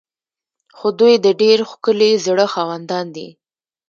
خو دوی د ډیر ښکلي زړه خاوندان دي.